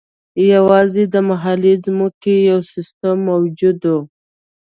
یوازې د محلي ځمکو یو سیستم موجود و.